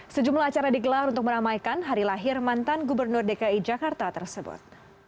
sejumlah acara digelar untuk meramaikan hari lahir mantan gubernur dki jakarta tersebut